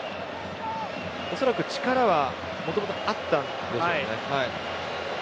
恐らく力はもともとあったんでしょうね。